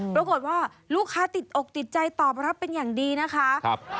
ปรากฏว่าลูกค้าติดอกติดใจตอบรับเป็นอย่างดีนะคะ